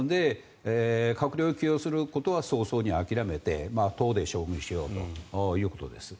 閣僚に起用することは早々に諦めて党で勝負しようということです。